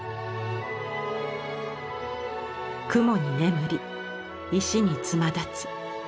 「雲に眠り石につまだつ」。